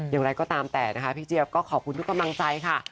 อย่างไรก็ตามแต่นะคะพี่เจี๊ยบก็ขอบคุณทุกกำลังใจค่ะ